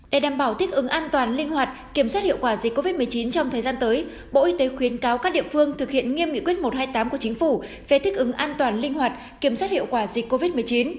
để đảm bảo thích ứng an toàn linh hoạt kiểm soát hiệu quả dịch covid một mươi chín trong thời gian tới bộ y tế khuyến cáo các địa phương thực hiện nghiêm nghị quyết một trăm hai mươi tám của chính phủ về thích ứng an toàn linh hoạt kiểm soát hiệu quả dịch covid một mươi chín